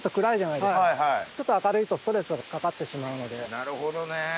なるほどね。